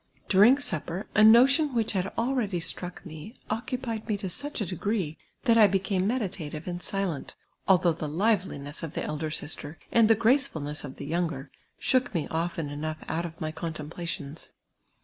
Durini^ su])])er, a notion which had already struck me, occu ])icd me to such a de«;^ree, that I became meditative and silent, althouii^h tlie liveliness of tlie elder sister, and the {gracefulness of the youn<;i'r, shook me often cnouo;!! out of my contemj)la lions.